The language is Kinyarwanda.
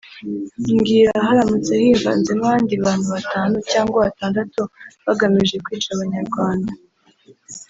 Mbwira haramutse hivanzemo abandi bantu batanu cyangwa batandatu bagamije kwica Abanyarwanda